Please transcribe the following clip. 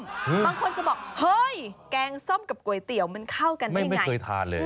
บางคนจะบอกเฮ้ยแกงส้มกับก๋วยเตี๋ยวมันเข้ากันได้ยังไงเคยทานเลย